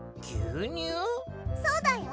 そうだよ。